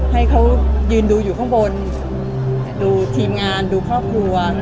ให้เขายืนดูอยู่ข้างบนดูทีมงานดูครอบครัว